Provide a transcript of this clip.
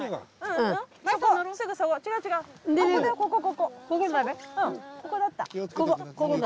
ここだった。